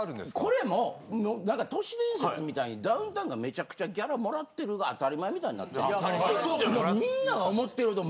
これもなんか都市伝説みたいにダウンタウンがめちゃくちゃギャラもらってるが当たり前みたいになってるでしょ。